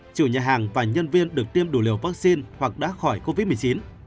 chủ nhà hàng và nhân viên được tiêm đủ liều vaccine hoặc đã khỏi covid một mươi chín